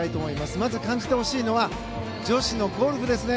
まず、感じてほしいのは女子のゴルフですね。